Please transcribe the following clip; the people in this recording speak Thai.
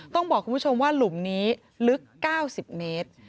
ต้องบอกคุณผู้ชมว่าหลุมนี้ลึก๙๐เมตร